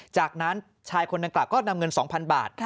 จากนั้นชายคนดังกล่าก็นำเงิน๒๐๐๐บาท